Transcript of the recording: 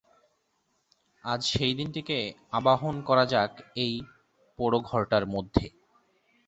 আজ সেই দিনটিকে আবাহন করা যাক এই পোড়ো ঘরটার মধ্যে।